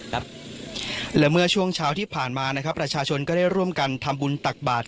และเมื่อช่วงเช้าที่ผ่านมานะครับประชาชนก็ได้ร่วมกันทำบุญตักบาท